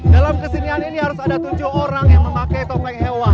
dalam kesenian ini harus ada tujuh orang yang memakai topeng hewan